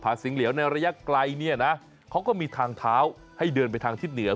สิงเหลียวในระยะไกลเนี่ยนะเขาก็มีทางเท้าให้เดินไปทางทิศเหนือ